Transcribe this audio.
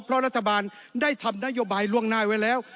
เพราะรัฐบาลได้ทำนโยบายล่วงหน้าไว้แล้ว